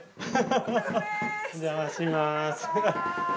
お邪魔します。